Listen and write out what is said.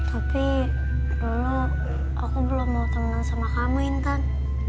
tapi dulu aku belum mau teman sama kamu intan